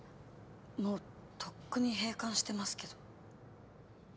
もうとっくに閉館してますけど。